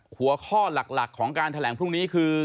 หัวข้อหลักของการแถลงพรุ่งนี้คือ